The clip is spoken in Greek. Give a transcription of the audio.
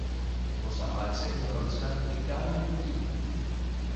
Τον σταμάτησα και τον ρώτησα τι κάνουν οι δικοί μου